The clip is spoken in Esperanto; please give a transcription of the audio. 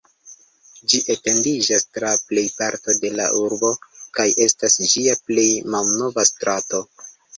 Ĝi etendiĝas tra plejparto de la urbo kaj estas ĝia plej malnova strato.